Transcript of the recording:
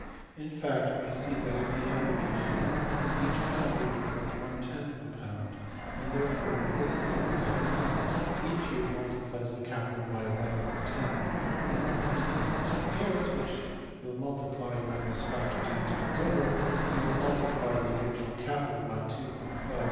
In fact, we see that at the end of each year, each pound will have earned $\tfrac$~of a pound, and therefore, if this is always added on, each year multiplies the capital by~$\tfrac$; and if continued for ten years (which will multiply by this factor ten times over) will multiply the original capital by~$\DPtypo{2.